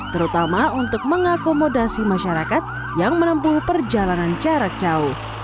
terutama untuk mengakomodasi masyarakat yang menempuh perjalanan jarak jauh